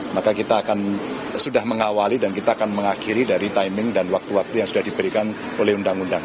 maka kita akan sudah mengawali dan kita akan mengakhiri dari timing dan waktu waktu yang sudah diberikan oleh undang undang